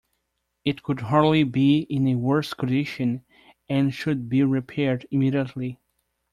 It could hardly be in a worse condition... and should be repaired immediately.